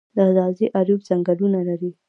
د ځاځي اریوب ځنګلونه لري